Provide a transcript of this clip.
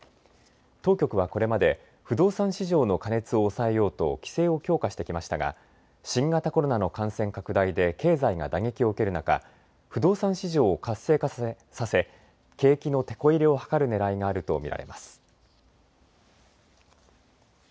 当局はこれまで不動産市場の過熱を抑えようと規制を強化してきましたが新型コロナの感染拡大で経済が打撃を受ける中、不動産市場を活性化させ景気のてこ入れを図るねらいがあると見られます。